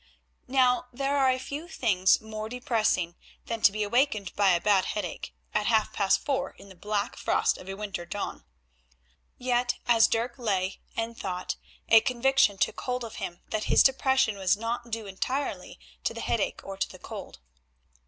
Now there are few things more depressing than to be awakened by a bad headache at half past four in the black frost of a winter dawn. Yet as Dirk lay and thought a conviction took hold of him that his depression was not due entirely to the headache or to the cold.